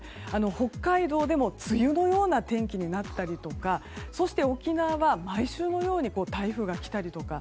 北海道でも梅雨のような天気になったりそして、沖縄は毎週のように台風が来たりとか。